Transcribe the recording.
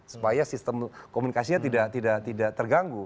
supaya sistem komunikasinya tidak terganggu